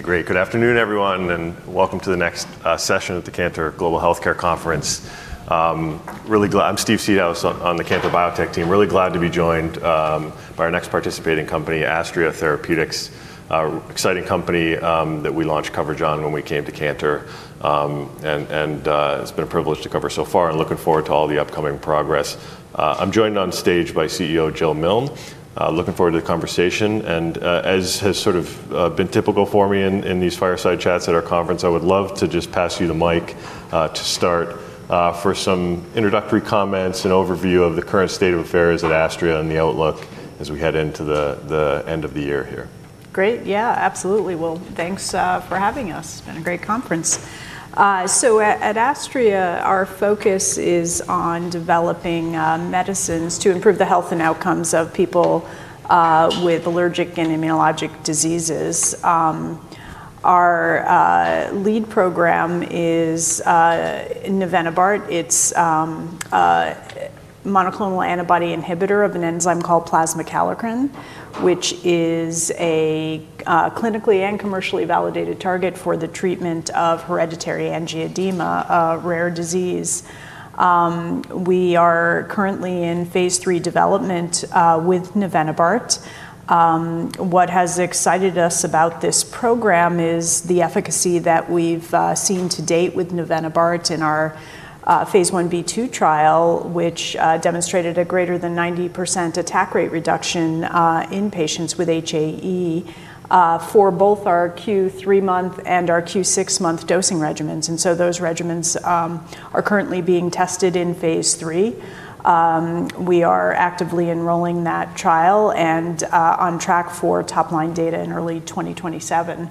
Great. Good afternoon, everyone, and welcome to the next session at the Cantor Global Health care Conference. I'm Steve Seedhouse on the Cantor Biotech team, really glad to be joined by our next participating company, Astria Therapeutics, an exciting company that we launched coverage on when we came to Cantor. It's been a privilege to cover so far, and looking forward to all the upcoming progress. I'm joined on stage by CEO Jill Milne. Looking forward to the conversation. As has sort of been typical for me in these fireside chats at our conference, I would love to just pass you the mic to start for some introductory comments and overview of the current state of affairs at Astria and the outlook as we head into the end of the year here. Great. Yeah, absolutely. Thanks for having us. It's been a great conference. At Astria, our focus is on developing medicines to improve the health and outcomes of people with allergic and immunologic diseases. Our lead program is navenibart. It's a monoclonal antibody inhibitor of an enzyme called plasma kallikrein, which is a clinically and commercially validated target for the treatment of hereditary angioedema, a rare disease. We are currently in phase III development with navenibart. What has excited us about this program is the efficacy that we've seen to date with navenibart in our phase I-B2 trial, which demonstrated a greater than 90% attack rate reduction in patients with HAE for both our Q3 -month and our Q6 -month dosing regimens. Those regimens are currently being tested in phase III. We are actively enrolling that trial and on track for top -line data in early 2027.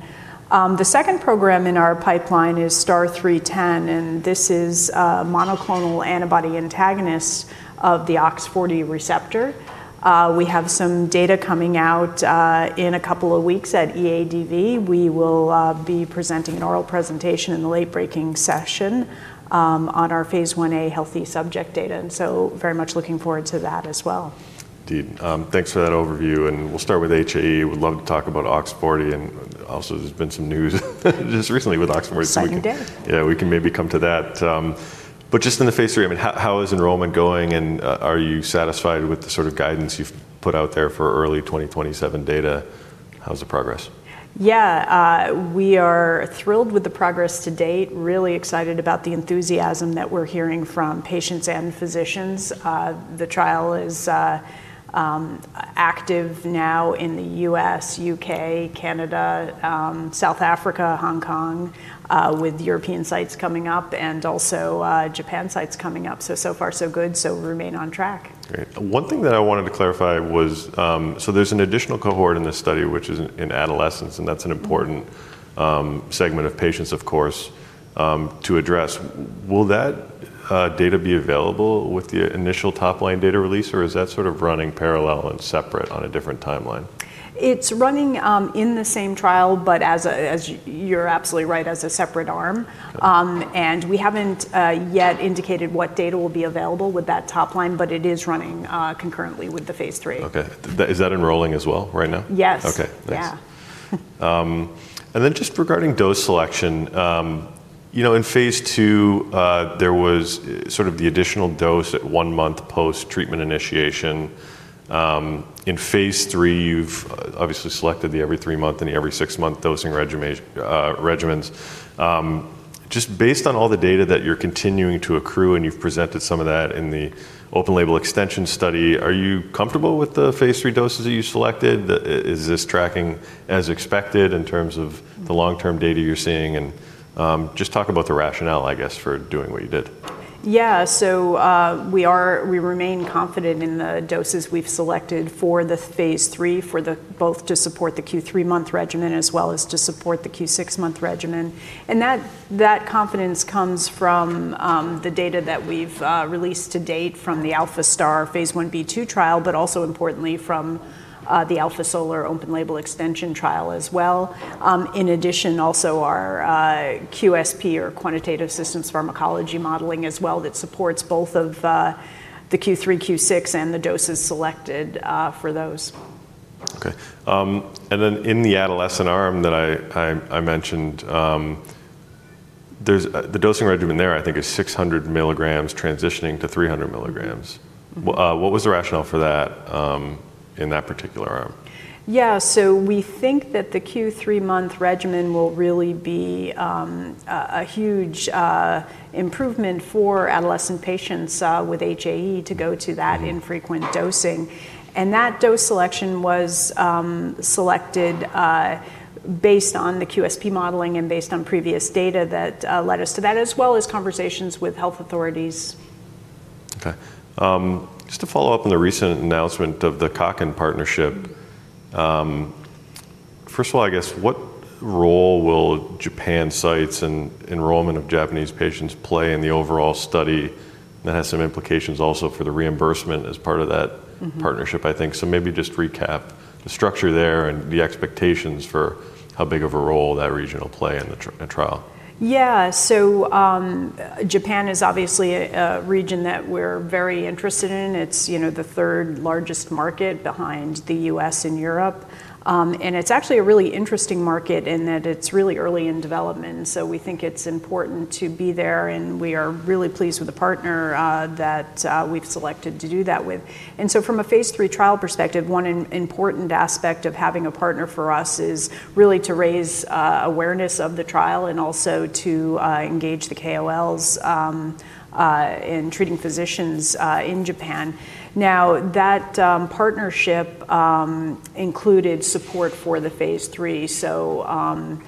The second program in our pipeline is STAR-0310, and this is a monoclonal antibody antagonist of the OX40 receptor. We have some data coming out in a couple of weeks at EADV. We will be presenting an oral presentation in the late breaking session on our phase I-A healthy subject data. Very much looking forward to that as well. Thanks for that overview. We'd love to talk about OX40. There's been some news just recently with OX40. We'll start with HAE. Yeah, we can maybe come to that. Just in the phase III, I mean, how is enrollment going? Are you satisfied with the sort of guidance you've put out there for early 2027 data? How's the progress? Yeah, we are thrilled with the progress to date, really excited about the enthusiasm that we're hearing from patients and physicians. The trial is active now in the U.S., U.K., Canada, South Africa, Hong Kong, with European sites coming up, and also Japan sites coming up. So far, so good. We remain on track. Great. One thing that I wanted to clarify was, there's an additional cohort in this study, which is in adolescents, and that's an important segment of patients, of course, to address. Will that data be available with the initial top -line data release, or is that sort of running parallel and separate on a different timeline? It's running in the same trial, but as you're absolutely right, as a separate arm. We haven't yet indicated what data will be available with that top -line, but it is running concurrently with the phase III. OK. Is that enrolling as well right now? Yes. OK. Yeah. Regarding dose selection, in phase II, there was the additional dose at one month post-treatment initiation. In phase III, you've obviously selected the every -three -month and the every -six -month dosing regimens. Based on all the data that you're continuing to accrue, and you've presented some of that in the open-label extension study, are you comfortable with the phase III doses that you selected? Is this tracking as expected in terms of the long-term data you're seeing? Please talk about the rationale for doing what you did. Yeah, we remain confident in the doses we've selected for the phase III, both to support the Q3 -month regimen as well as to support the Q6 -month regimen. That confidence comes from the data that we've released to date from the ALPHA-STAR phase I-B/II trial, but also importantly from the ALPHA-SOLAR open-label extension trial as well. In addition, our QSP, or quantitative systems pharmacology modeling, also supports both of the Q3, Q6, and the doses selected for those. OK. In the adolescent arm that I mentioned, the dosing regimen there, I think, is 600 mg transitioning to 300 mg. What was the rationale for that in that particular arm? We think that the Q3 -month regimen will really be a huge improvement for adolescent patients with HAE to go to that infrequent dosing. That dose selection was selected based on the quantitative systems pharmacology modeling and based on previous data that led us to that, as well as conversations with health authorities. Just to follow up on the recent announcement of the Kaken partnership, first of all, I guess, what role will Japan sites and enrollment of Japanese patients play in the overall study? That has some implications also for the reimbursement as part of that partnership, I think. Maybe just recap the structure there and the expectations for how big of a role that region will play in the trial. Yeah, so Japan is obviously a region that we're very interested in. It's, you know, the third largest market behind the U.S. and Europe. It's actually a really interesting market in that it's really early in development. We think it's important to be there. We are really pleased with the partner that we've selected to do that with. From a phase III trial perspective, one important aspect of having a partner for us is really to raise awareness of the trial and also to engage the KOLs and treating physicians in Japan. That partnership included support for the phase III, so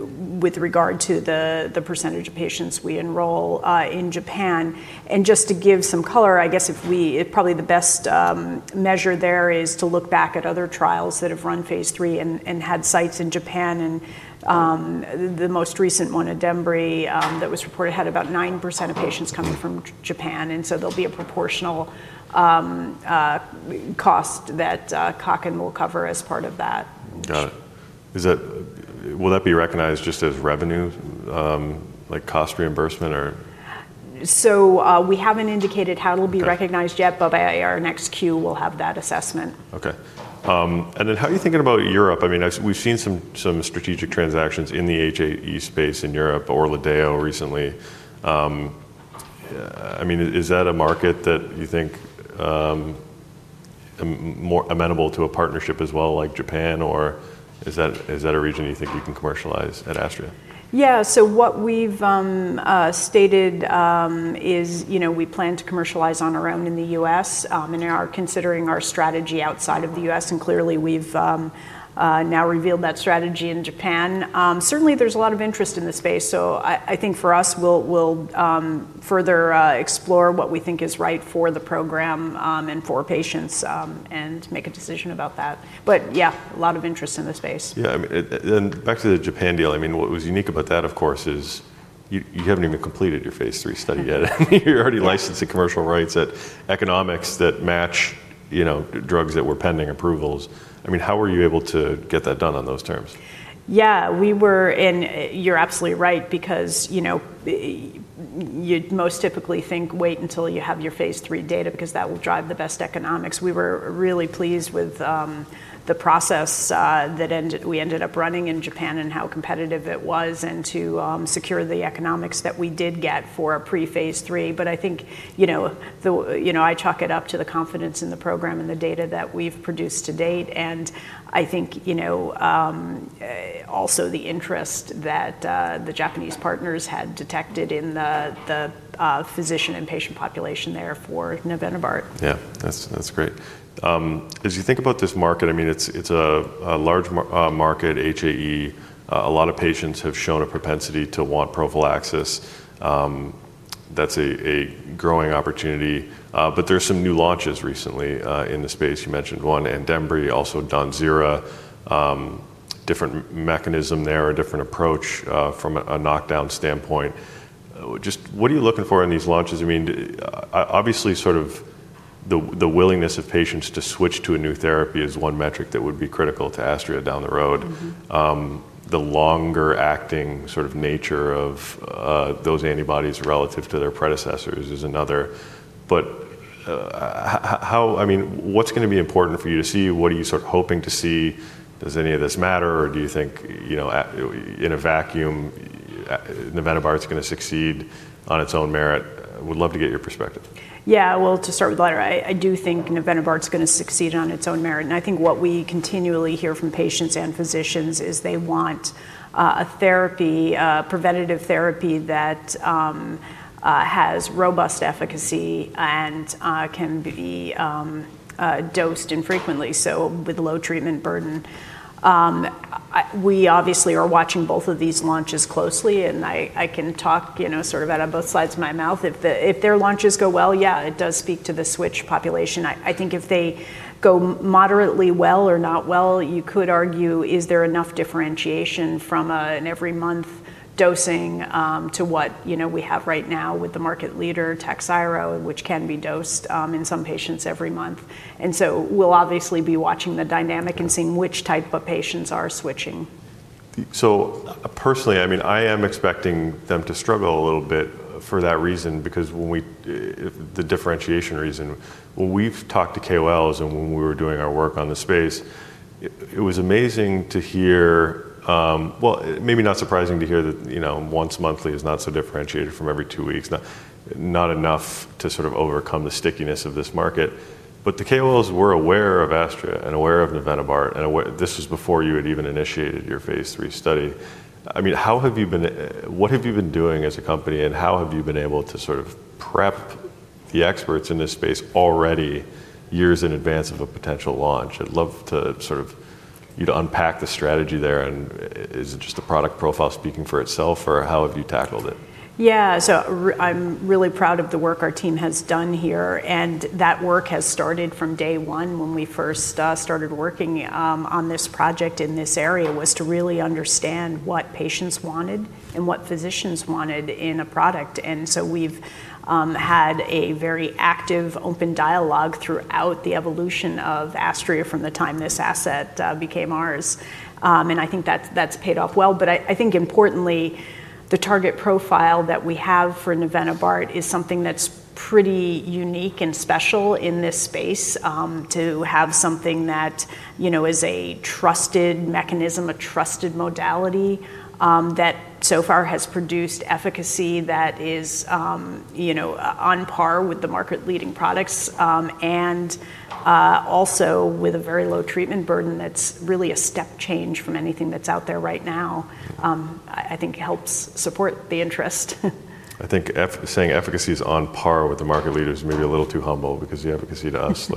with regard to the percentage of patients we enroll in Japan. Just to give some color, I guess probably the best measure there is to look back at other trials that have run phase III and had sites in Japan. The most recent one at Dembry that was reported had about 9% of patients coming from Japan. There'll be a proportional cost that Kaken will cover as part of that. Got it. Will that be recognized just as revenue, like cost reimbursement? We haven't indicated how it'll be recognized yet, but by our next quarter, we'll have that assessment. OK. How are you thinking about Europe? We've seen some strategic transactions in the HAE space in Europe or Lido recently. Is that a market that you think is more amenable to a partnership as well, like Japan? Is that a region you think you can commercialize at Astria? Yeah, so what we've stated is, you know, we plan to commercialize on our own in the U.S. and are considering our strategy outside of the U.S. We've now revealed that strategy in Japan. Certainly, there's a lot of interest in the space. I think for us, we'll further explore what we think is right for the program and for patients and make a decision about that. Yeah, a lot of interest in the space. Yeah, back to the Japan deal, what was unique about that, of course, is you haven't even completed your phase III study yet. You're already licensing commercial rights at economics that match, you know, drugs that were pending approvals. I mean, how were you able to get that done on those terms? Yeah, we were, and you're absolutely right, because, you know, you'd most typically think wait until you have your phase III data because that will drive the best economics. We were really pleased with the process that we ended up running in Japan and how competitive it was to secure the economics that we did get for a pre-phase III. I think, you know, I chalk it up to the confidence in the program and the data that we've produced to date. I think, you know, also the interest that the Japanese partners had detected in the physician and patient population there for navenibart. Yeah, that's great. As you think about this market, I mean, it's a large market, HAE. A lot of patients have shown a propensity to want prophylaxis. That's a growing opportunity. There are some new launches recently in the space. You mentioned one in Dembry, also Danzirna, different mechanism there, a different approach from a knockdown standpoint. Just what are you looking for in these launches? I mean, obviously, sort of the willingness of patients to switch to a new therapy is one metric that would be critical to Astria down the road. The longer acting sort of nature of those antibodies relative to their predecessors is another. How, I mean, what's going to be important for you to see? What are you sort of hoping to see? Does any of this matter? Do you think, you know, in a vacuum, navenibart is going to succeed on its own merit? We'd love to get your perspective. Yeah, to start with the latter, I do think navenibart is going to succeed on its own merit. I think what we continually hear from patients and physicians is they want a therapy, a preventative therapy that has robust efficacy and can be dosed infrequently, with low treatment burden. We obviously are watching both of these launches closely. I can talk, you know, sort of out of both sides of my mouth. If their launches go well, it does speak to the switch population. I think if they go moderately well or not well, you could argue, is there enough differentiation from an every -month dosing to what we have right now with the market leader, Takhzyro, which can be dosed in some patients every month? We'll obviously be watching the dynamic and seeing which type of patients are switching. Personally, I am expecting them to struggle a little bit for that reason, because the differentiation reason. When we've talked to KOLs and when we were doing our work on the space, it was amazing to hear, maybe not surprising to hear that, you know, once monthly is not so differentiated from every two weeks, not enough to sort of overcome the stickiness of this market. The KOLs were aware of Astria and aware of navenibart. This was before you had even initiated your phase III study. How have you been, what have you been doing as a company, and how have you been able to sort of prep the experts in this space already years in advance of a potential launch? I'd love to sort of, you know, unpack the strategy there. Is it just the product profile speaking for itself, or how have you tackled it? Yeah, so I'm really proud of the work our team has done here. That work has started from day one when we first started working on this project in this area, to really understand what patients wanted and what physicians wanted in a product. We've had a very active open dialogue throughout the evolution of Astria from the time this asset became ours. I think that's paid off well. Importantly, the target profile that we have for navenibart is something that's pretty unique and special in this space, to have something that is a trusted mechanism, a trusted modality that so far has produced efficacy that is on par with the market leading products and also with a very low treatment burden that's really a step change from anything that's out there right now. I think helps support the interest. I think saying efficacy is on par with the market leaders may be a little too humble, because the efficacy to us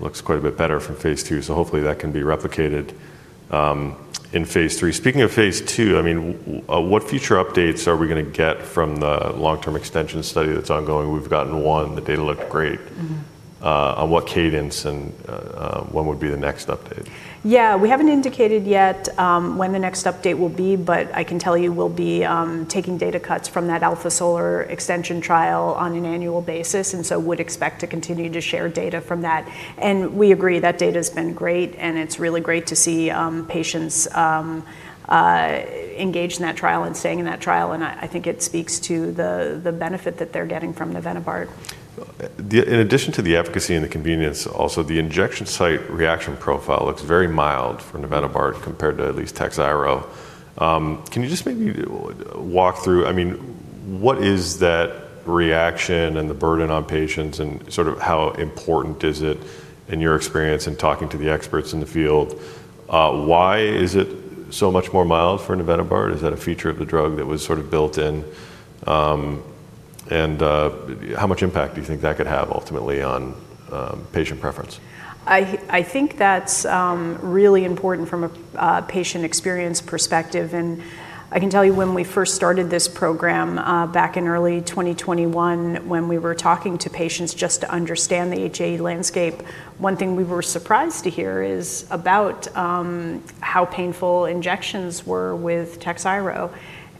looks quite a bit better from phase II. Hopefully, that can be replicated in phase III. Speaking of phase II, what future updates are we going to get from the long-term extension study that's ongoing? We've gotten one. The data looked great. On what cadence and when would be the next update? Yeah, we haven't indicated yet when the next update will be, but I can tell you we'll be taking data cuts from that ALPHA-SOLAR extension trial on an annual basis, and would expect to continue to share data from that. We agree that data has been great. It's really great to see patients engaged in that trial and staying in that trial. I think it speaks to the benefit that they're getting from navenibart. In addition to the efficacy and the convenience, also, the injection site reaction profile looks very mild for navenibart compared to at least Takhzyro. Can you just maybe walk through, I mean, what is that reaction and the burden on patients and sort of how important is it in your experience in talking to the experts in the field? Why is it so much more mild for navenibart? Is that a feature of the drug that was sort of built in? How much impact do you think that could have ultimately on patient preference? I think that's really important from a patient experience perspective. I can tell you when we first started this program back in early 2021, when we were talking to patients just to understand the HAE landscape, one thing we were surprised to hear is about how painful injections were with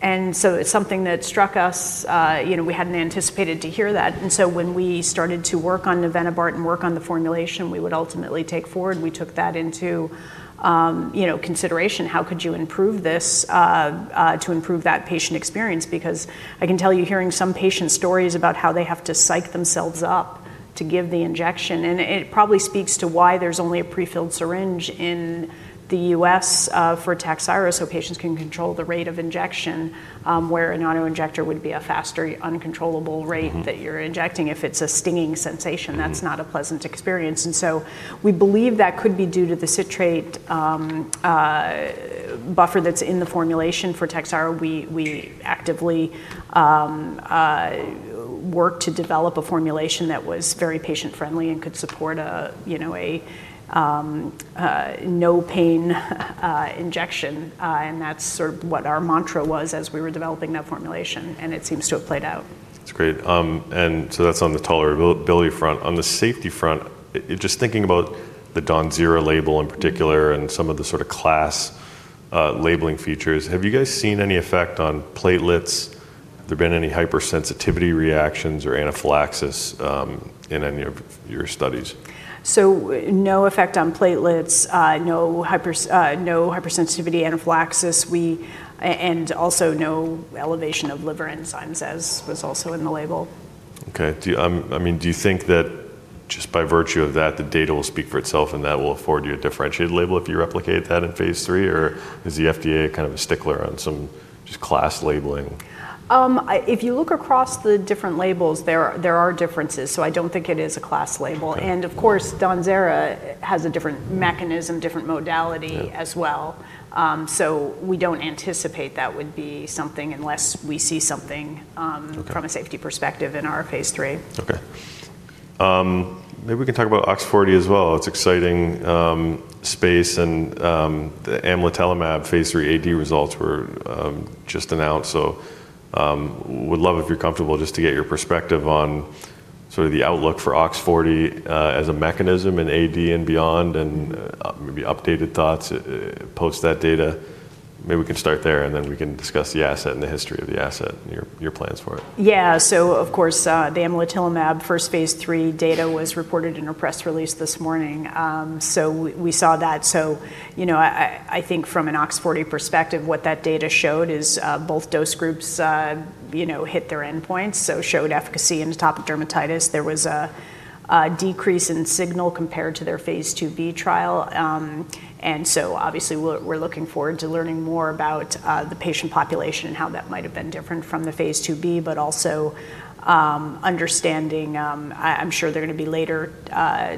Takhzyro. It struck us. We hadn't anticipated to hear that. When we started to work on navenibart and work on the formulation we would ultimately take forward, we took that into consideration. How could you improve this to improve that patient experience? I can tell you hearing some patient stories about how they have to psych themselves up to give the injection. It probably speaks to why there's only a prefilled syringe in the U.S. For Takhzyro, so patients can control the rate of injection, where an autoinjector would be a faster uncontrollable rate that you're injecting if it's a stinging sensation. That's not a pleasant experience. We believe that could be due to the citrate buffer that's in the formulation for Takhzyro. We actively worked to develop a formulation that was very patient-friendly and could support a no-pain injection. That's sort of what our mantra was as we were developing that formulation. It seems to have played out. That's great. That's on the tolerability front. On the safety front, just thinking about the Danzirna label in particular and some of the sort of class labeling features, have you guys seen any effect on platelets? Have there been any hypersensitivity reactions or anaphylaxis in any of your studies? Was no effect on platelets, no hypersensitivity anaphylaxis, and also no elevation of liver enzymes, as was also in the label. OK. I mean, do you think that just by virtue of that, the data will speak for itself and that will afford you a differentiated label if you replicate that in phase III? Or is the FDA kind of a stickler on some just class labeling? If you look across the different labels, there are differences. I don't think it is a class label. Danzirna has a different mechanism, different modality as well. We don't anticipate that would be something unless we see something from a safety perspective in our phase III. OK. Maybe we can talk about OX40 as well. It's an exciting space. The amlodipine phase III AD results were just announced. Would love if you're comfortable just to get your perspective on sort of the outlook for OX40 as a mechanism in AD and beyond, and maybe updated thoughts post that data. Maybe we can start there, and then we can discuss the asset and the history of the asset and your plans for it. Yeah, of course, the rocatinlimab first phase III data was reported in a press release this morning. We saw that. I think from an OX40 perspective, what that data showed is both dose groups hit their endpoints, so showed efficacy in atopic dermatitis. There was a decrease in signal compared to their phase II-B trial. Obviously, we're looking forward to learning more about the patient population and how that might have been different from the phase II-B, but also understanding, I'm sure there are going to be later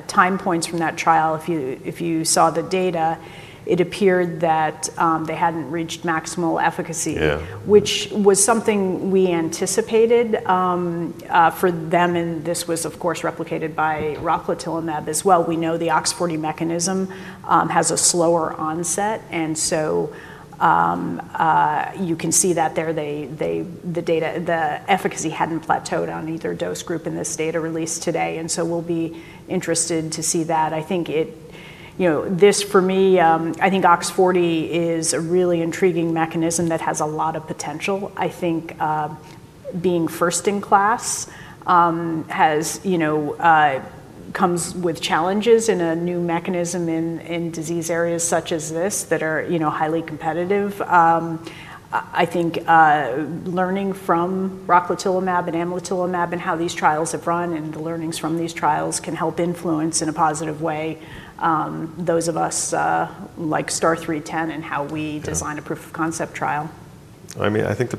time points from that trial. If you saw the data, it appeared that they hadn't reached maximal efficacy, which was something we anticipated for them. This was, of course, replicated by rocatinlimab as well. We know the OX40 mechanism has a slower onset. You can see that there. The efficacy hadn't plateaued on either dose group in this data release today. We'll be interested to see that. I think OX40 is a really intriguing mechanism that has a lot of potential. I think being first in class comes with challenges in a new mechanism in disease areas such as this that are highly competitive. Learning from rocatinlimab and amlitelimab and how these trials have run and the learnings from these trials can help influence in a positive way those of us like STAR-0310 and how we design a proof of concept trial. I think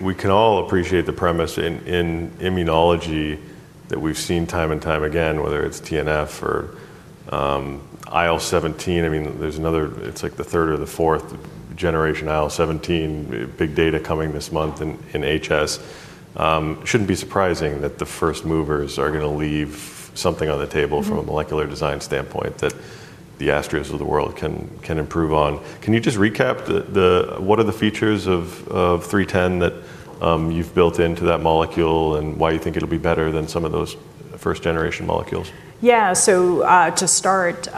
we can all appreciate the premise in immunology that we've seen time and time again, whether it's TNF or IL-17. There's another, it's like the third or the fourth generation IL-17, big data coming this month in HS. It shouldn't be surprising that the first movers are going to leave something on the table from a molecular design standpoint that the Astria of the world can improve on. Can you just recap what are the features of STAR-0310 that you've built into that molecule and why you think it'll be better than some of those first generation molecules? Yeah, to start,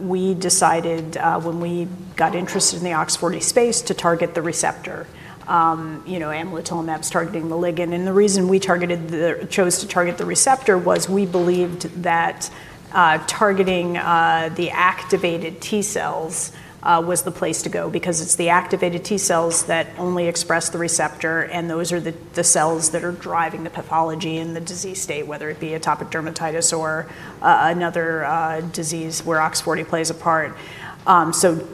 we decided when we got interested in the OX40 space to target the receptor, you know, as opposed to targeting the ligand. The reason we chose to target the receptor was we believed that targeting the activated T cells was the place to go, because it's the activated T cells that only express the receptor. Those are the cells that are driving the pathology and the disease state, whether it be atopic dermatitis or another disease where OX40 plays a part.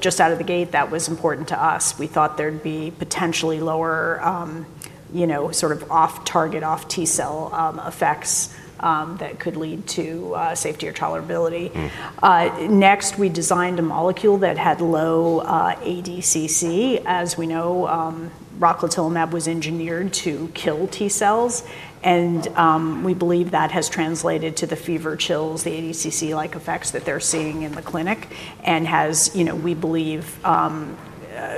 Just out of the gate, that was important to us. We thought there'd be potentially lower, you know, sort of off-target, off-T cell effects that could lead to safety or tolerability. Next, we designed a molecule that had low ADCC. As we know, rocatinlimab was engineered to kill T cells. We believe that has translated to the fever, chills, the ADCC-like effects that they're seeing in the clinic and has, you know, we believe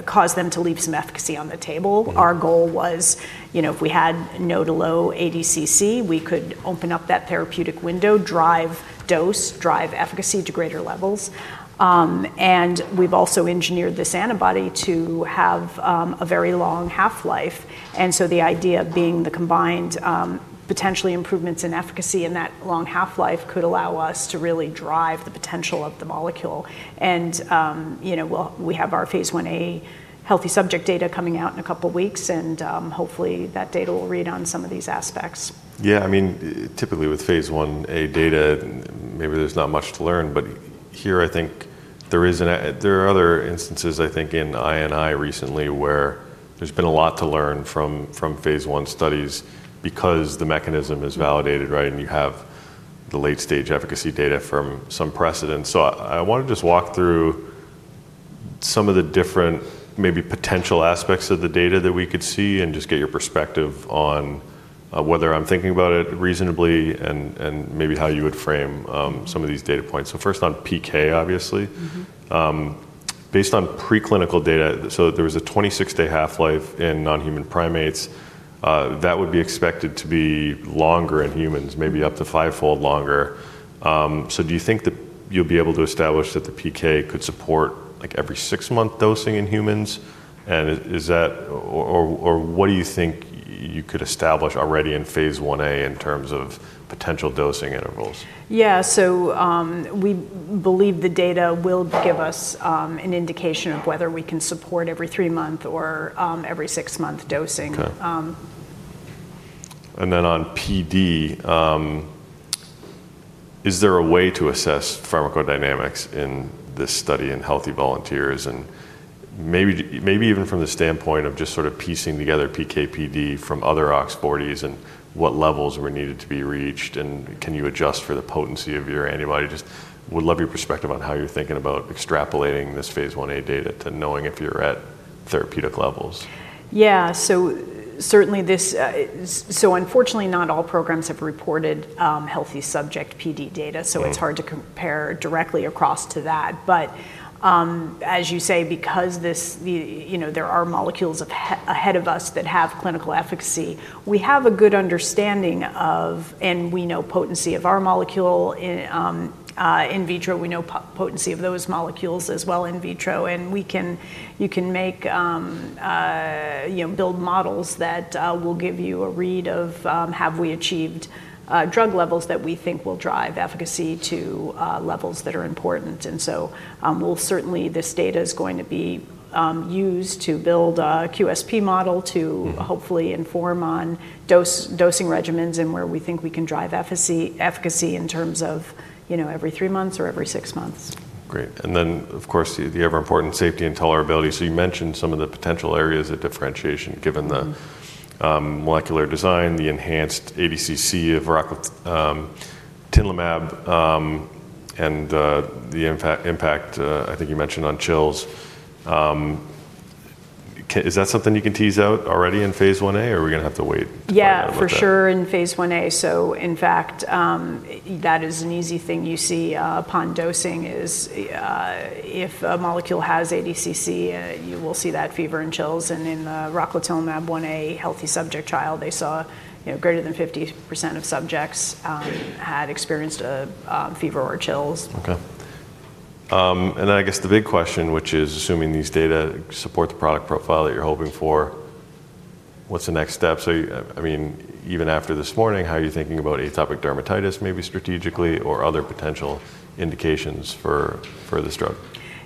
caused them to leave some efficacy on the table. Our goal was, you know, if we had no to low ADCC, we could open up that therapeutic window, drive dose, drive efficacy to greater levels. We've also engineered this antibody to have a very long half-life. The idea being the combined potentially improvements in efficacy and that long half-life could allow us to really drive the potential of the molecule. We have our phase I-A healthy subject data coming out in a couple of weeks, and hopefully, that data will read on some of these aspects. Yeah, I mean, typically with phase I-A data, maybe there's not much to learn. Here, I think there are other instances, I think, in INI recently where there's been a lot to learn from phase I studies because the mechanism is validated, right? You have the late-stage efficacy data from some precedent. I want to just walk through some of the different maybe potential aspects of the data that we could see and just get your perspective on whether I'm thinking about it reasonably and maybe how you would frame some of these data points. First on PK, obviously. Based on preclinical data, there was a 26-day half-life in non-human primates. That would be expected to be longer in humans, maybe up to five-fold longer. Do you think that you'll be able to establish that the PK could support like every- six-month dosing in humans? What do you think you could establish already in phase I-A in terms of potential dosing intervals? We believe the data will give us an indication of whether we can support every -three-month or every -six-month dosing. On PD, is there a way to assess pharmacodynamics in this study in healthy volunteers? Maybe even from the standpoint of just sort of piecing together PK, PD from other OX40s and what levels were needed to be reached? Can you adjust for the potency of your antibody? I would love your perspective on how you're thinking about extrapolating this phase I-A data to knowing if you're at therapeutic levels. Yeah, unfortunately, not all programs have reported healthy subject PD data. It's hard to compare directly across to that. As you say, because there are molecules ahead of us that have clinical efficacy, we have a good understanding of, and we know potency of our molecule in vitro. We know potency of those molecules as well in vitro. You can build models that will give you a read of, have we achieved drug levels that we think will drive efficacy to levels that are important? This data is going to be used to build a QSP model to hopefully inform on dosing regimens and where we think we can drive efficacy in terms of every -three -months or every -six -months. Great. The other important safety and tolerability. You mentioned some of the potential areas of differentiation given the molecular design, the enhanced ADCC of rocatinlimab, and the impact, I think you mentioned, on chills. Is that something you can tease out already in phase I-A, or are we going to have to wait? Yeah, for sure in phase I-A. In fact, that is an easy thing you see upon dosing is if a molecule has ADCC, you will see that fever and chills. In the rocatinlimab phase I-A healthy subject trial, they saw, you know, greater than 50% of subjects had experienced a fever or chills. OK. I guess the big question, which is assuming these data support the product profile that you're hoping for, what's the next step? I mean, even after this morning, how are you thinking about atopic dermatitis maybe strategically or other potential indications for this drug?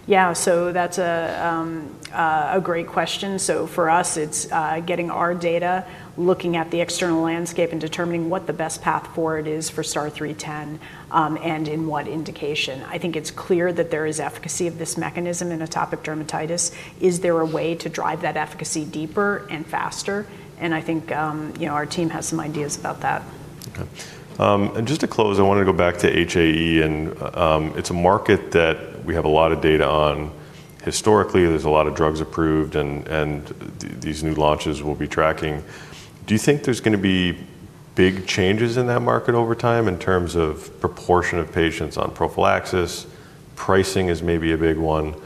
Yeah, that's a great question. For us, it's getting our data, looking at the external landscape, and determining what the best path forward is for STAR-0310 and in what indication. I think it's clear that there is efficacy of this mechanism in atopic dermatitis. Is there a way to drive that efficacy deeper and faster? I think our team has some ideas about that. OK. Just to close, I want to go back to HAE. It's a market that we have a lot of data on historically. There are a lot of drugs approved, and these new launches we'll be tracking. Do you think there's going to be big changes in that market over time in terms of proportion of patients on prophylaxis? Pricing is maybe a big one.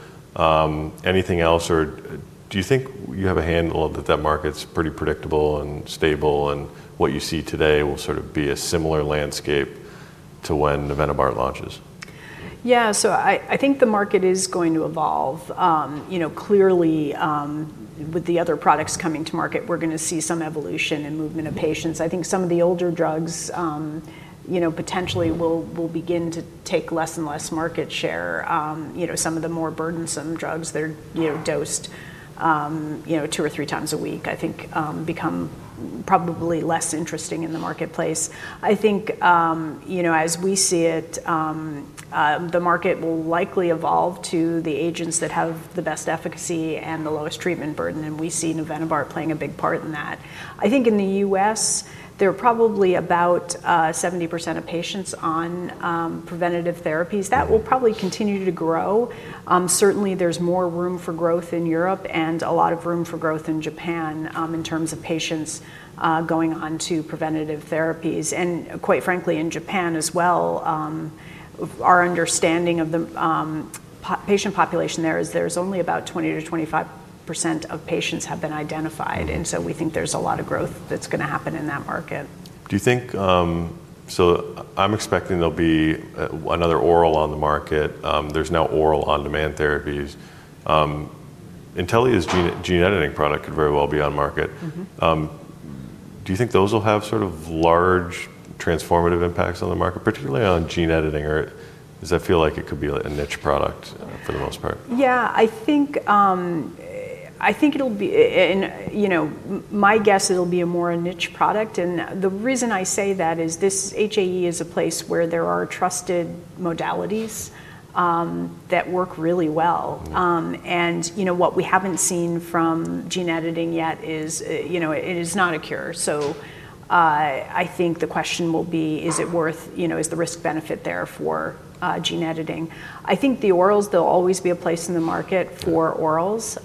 Anything else? Do you think you have a handle that that market's pretty predictable and stable? What you see today will sort of be a similar landscape to when navenibart launches? Yeah, so I think the market is going to evolve. Clearly, with the other products coming to market, we're going to see some evolution and movement of patients. I think some of the older drugs potentially will begin to take less and less market share. Some of the more burdensome drugs that are dosed two or three times a week, I think, become probably less interesting in the marketplace. I think, as we see it, the market will likely evolve to the agents that have the best efficacy and the lowest treatment burden. We see navenibart playing a big part in that. I think in the U.S., there are probably about 70% of patients on preventative therapies. That will probably continue to grow. Certainly, there's more room for growth in Europe and a lot of room for growth in Japan in terms of patients going on to preventative therapies. Quite frankly, in Japan as well, our understanding of the patient population there is there's only about 20% -2 5% of patients have been identified. We think there's a lot of growth that's going to happen in that market. I'm expecting there'll be another oral on the market. There are now oral on-demand therapies. Intellia's gene editing product could very well be on the market. Do you think those will have sort of large transformative impacts on the market, particularly on gene editing? Does that feel like it could be a niche product for the most part? Yeah, I think it'll be, you know, my guess it'll be a more niche product. The reason I say that is this HAE is a place where there are trusted modalities that work really well. What we haven't seen from gene editing yet is, you know, it is not a cure. I think the question will be, is it worth, you know, is the risk-benefit there for gene editing? I think the orals, there'll always be a place in the market for orals.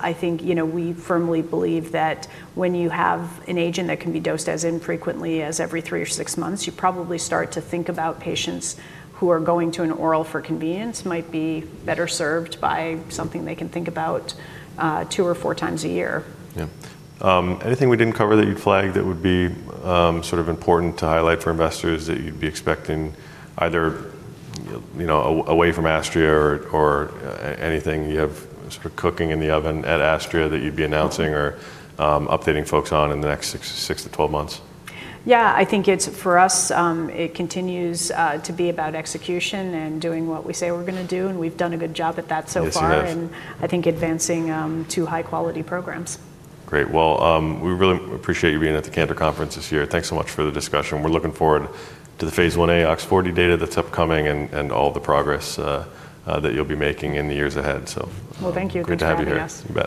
We firmly believe that when you have an agent that can be dosed as infrequently as every -three- or six- months, you probably start to think about patients who are going to an oral for convenience might be better served by something they can think about 2 x or 4x a year. Anything we didn't cover that you'd flag that would be important to highlight for investors that you'd be expecting either away from Astria or anything you have cooking in the oven at Astria that you'd be announcing or updating folks on in the next six to 12 months? I think for us, it continues to be about execution and doing what we say we're going to do. We've done a good job at that so far. I think advancing to high-quality programs. Great. We really appreciate you being at the Cantor Conference this year. Thanks so much for the discussion. We're looking forward to the phase I-A OX40 data that's upcoming and all the progress that you'll be making in the years ahead. Thank you. Good to have you here.